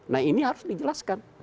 nah ini harus dijelaskan